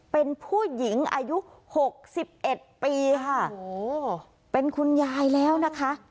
เป็นผู้หญิงอายุหกสิบเอ็ดปีค่ะโอ้โหเป็นคุณยายแล้วนะคะ